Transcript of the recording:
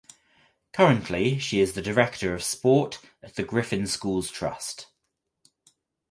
Currently she is the Director of Sport at the Griffin Schools Trust.